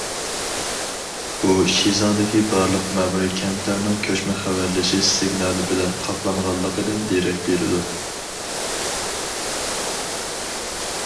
بۇ، شىزاڭدىكى بارلىق مەمۇرىي كەنتلەرنىڭ كۆچمە خەۋەرلىشىش سىگنالى بىلەن قاپلانغانلىقىدىن دېرەك بېرىدۇ.